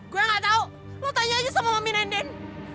gua gak tau lo tanya aja sama mami nenden